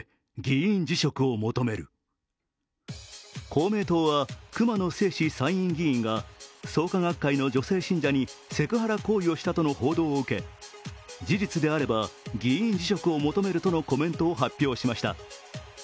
公明党は熊野正士参議院議員が創価学会の女性信者にセクハラ行為をしたとの報道を受け事実であれば議員辞職を求めるとのコメントを発表しました。